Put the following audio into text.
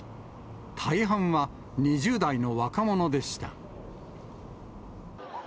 大半は２０代の若者でした。